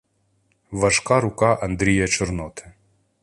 Важка рука Андрія Чорноти